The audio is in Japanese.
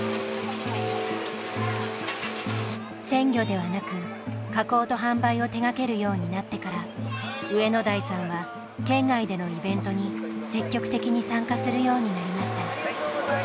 鮮魚ではなく加工と販売を手がけるようになってから上野台さんは県外でのイベントに積極的に参加するようになりました。